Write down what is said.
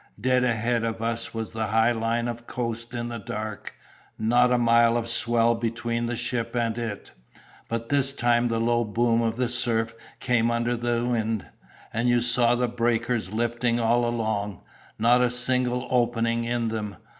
Dead ahead of us was the high line of coast in the dark—not a mile of swell between the ship and it. By this time the low boom of the surf came under the wind, and you saw the breakers lifting all along—not a single opening in them!